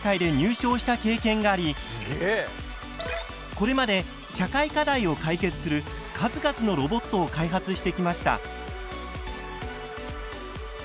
これまで社会課題を解決する数々のロボットを開発してきました。